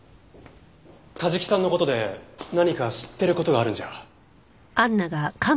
梶木さんの事で何か知ってる事があるんじゃ？